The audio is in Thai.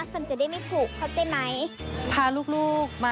ฝั่นจะได้ไม่ถูกเข้าใจไหม